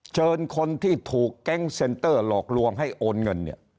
เชิญคนที่ถูกแก๊งเซ็นเตอร์หลอกลวงให้โอนเงินเนี่ย